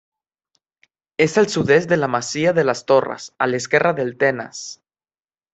És al sud-est de la masia de les Torres, a l'esquerra del Tenes.